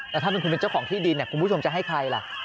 แล้วถ้าเป็นเจ้าของที่ดินคุณผู้ชมจะให้ใครล่ะ